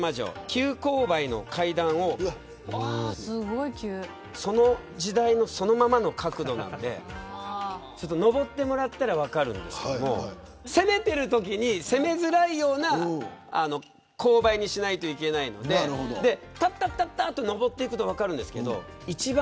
急勾配の階段をその時代のそのままの角度なんで登ってもらったら分かるんですけど攻めているときに攻めづらいような勾配にしないといけないので登っていくと分かるんですけど一番